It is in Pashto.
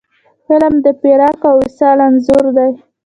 فلم د فراق او وصال انځور دی